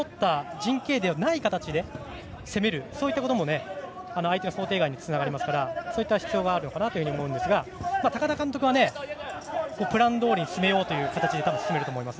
陣形ではない形で攻めることも相手の想定外につながりますから、そういった必要があるかなと思いますが高田監督はプランどおりに進めようという形で多分、進めると思います。